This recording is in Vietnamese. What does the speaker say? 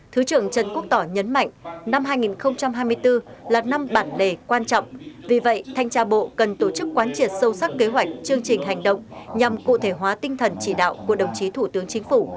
thứ trưởng trần quốc tỏ nhấn mạnh năm hai nghìn hai mươi bốn là năm bản đề quan trọng vì vậy thanh tra bộ cần tổ chức quán triệt sâu sắc kế hoạch chương trình hành động nhằm cụ thể hóa tinh thần chỉ đạo của đồng chí thủ tướng chính phủ